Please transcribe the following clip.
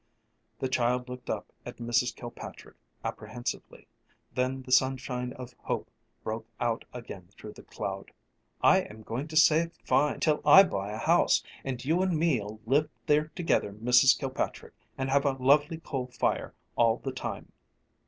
The child looked up at Mrs. Kilpatrick apprehensively; then the sunshine of hope broke out again through the cloud. "I am going to save fine till I buy a house, and you and me'll live there together, Mrs. Kilpatrick, and have a lovely coal fire all the time."